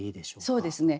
そうですね